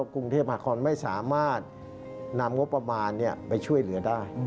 กรุงเทพหาคอนไม่สามารถนำงบประมาณไปช่วยเหลือได้